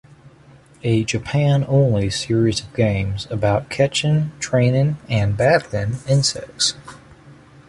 A Japan-only series of games about catching, training and battling insects.